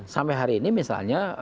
sampai hari ini misalnya